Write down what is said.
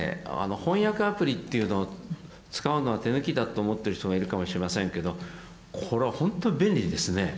翻訳アプリっていうのを使うのは手抜きだと思ってる人がいるかもしれませんけどこれはほんとに便利ですね。